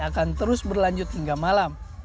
akan terus berlanjut hingga malam